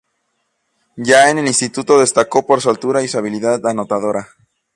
Ya en el instituto destacó por su altura y su habilidad anotadora.